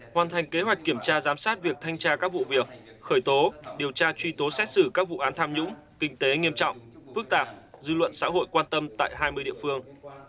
hoàn thành kế hoạch kiểm tra giám sát việc thanh tra các vụ việc khởi tố điều tra truy tố xét xử các vụ án tham nhũng kinh tế nghiêm trọng phức tạp dư luận xã hội quan tâm tại hai mươi địa phương